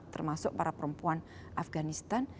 termasuk para perempuan afganistan